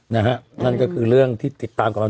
นั่นก็คือเรื่องที่ติดตามกันมา